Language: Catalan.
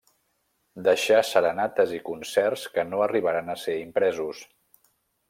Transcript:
Deixà serenates i concerts que no arribaren a ser impresos.